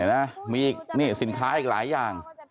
เห็นไหมมีอีกสินค้าอีกหลายอย่าง